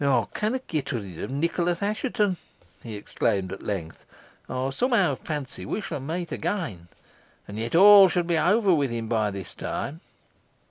"I cannot get rid of Nicholas Assheton," he exclaimed at length. "I somehow fancy we shall meet again; and yet all should be over with him by this time."